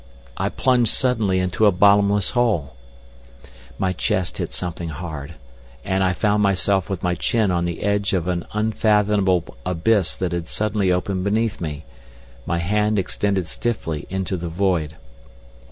I plunged suddenly into a bottomless hole! My chest hit something hard, and I found myself with my chin on the edge of an unfathomable abyss that had suddenly opened beneath me, my hand extended stiffly into the void.